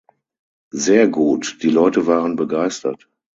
Sehr gut, die Leute waren begeistert.